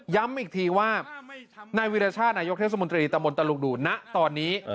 ย้ำอีกทีว่านายวิรชาตินายกเทศมนตรีตะมนตลุงดูณตอนนี้